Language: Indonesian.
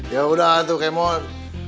ya udah tuh kemot